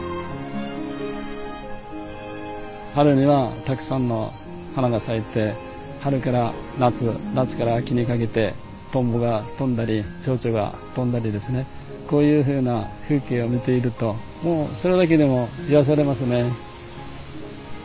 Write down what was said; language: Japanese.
春にはたくさんの花が咲いて春から夏夏から秋にかけてとんぼが飛んだりちょうちょが飛んだりですねこういうふうな風景を見ているともうそれだけでも癒やされますね。